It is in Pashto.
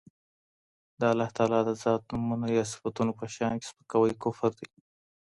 د الله تعالی د ذات، نومونو يا صفتونو په شان کي سپکاوی کفر دی.